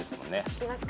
いきますか。